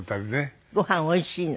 ご飯おいしいの？